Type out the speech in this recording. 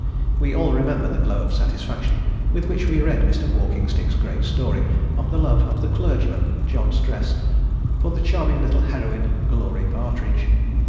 We all remember the glow of satisfaction with which we read Mr. Walkingstick's great story of the love of the clergyman, John Stress, for the charming little heroine, Glory Partridge.